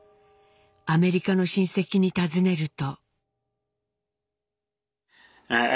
アメリカの親戚に尋ねると。